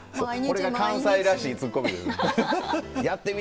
これが関西らしいツッコミです。